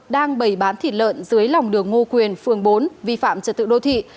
đang bày bán thịt lợn dưới lòng đường ngô quyền phường bốn vi phạm trật tự đô thị